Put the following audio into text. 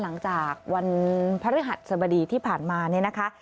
หลังจากวันพระฤหัสสบดีที่ผ่านมาเนี่ยนะคะ